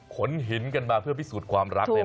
ขนหินกันมาเพื่อพิสูจน์ความรัก